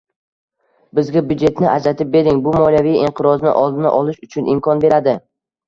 Bizga byudjetni ajratib bering, bu moliyaviy inqirozni oldini olish uchun imkon beradi